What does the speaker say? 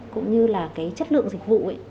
cũng như là cái chất lượng dịch vụ ấy